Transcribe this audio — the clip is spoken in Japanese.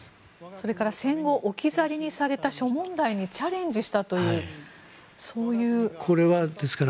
それから戦後置き去りにされた諸問題にチャレンジしたというそういう言葉もありました。